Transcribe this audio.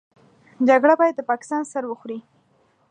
جګړه بايد د پاکستان سر وخوري.